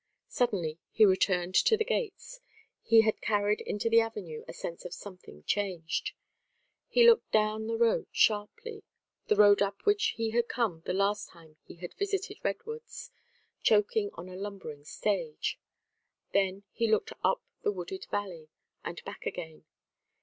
Suddenly he returned to the gates; he had carried into the avenue a sense of something changed. He looked down the road sharply, the road up which he had come the last time he had visited Redwoods, choking on a lumbering stage. Then he looked up the wooded valley, and back again.